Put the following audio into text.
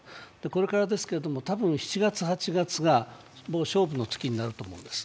これからですけど、多分７月８月が勝負の月になると思うんです。